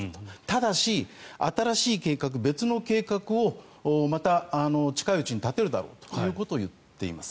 ただし、新しい計画別の計画をまた近いうちに立てるだろうと言っています。